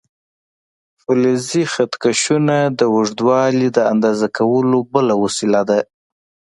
فلزي خط کشونه د اوږدوالي د اندازه کولو بله وسیله ده.